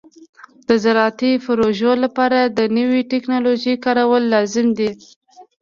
د زراعتي پروژو لپاره د نوې ټکنالوژۍ کارول لازمي دي.